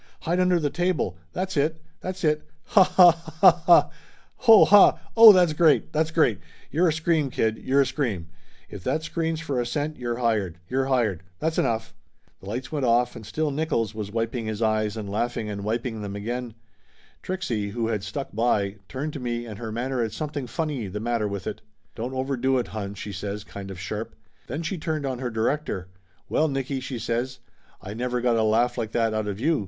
Hide under the table. That's it ! That's it ! Ha, ha, ha, ha ! Ho, ha Oh, that's great! That's great! You're a scream, kid, you're a scream ! If that screens for a cent you're hired ! You're hired ! That's enough !" The lights went off, and still Nickolls was wiping his Laughter Limited 167 eyes and laughing and wiping them again. Trixie, who had stuck by, turned to me, and her manner had something funny the matter with it. "Don't overdo it, hon!" she says, kind of sharp. Then she turned on her director. "Well, Nicky !" she says. "I never got a laugh like that out of you!